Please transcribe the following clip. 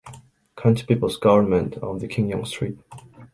County People's Government of the Qingyang Street.